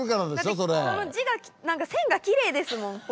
この字が何か線がきれいですもん。